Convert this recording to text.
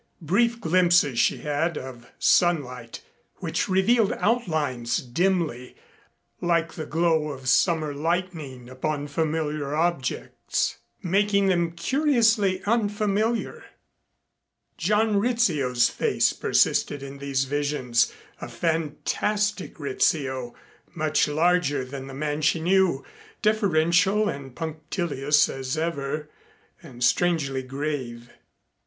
Brief glimpses she had of sunlight, which revealed outlines dimly, like the glow of summer lightning upon familiar objects, making them curiously unfamiliar. John Rizzio's face persisted in these visions, a fantastic Rizzio, much larger than the man she knew, deferential and punctilious as ever, and strangely grave.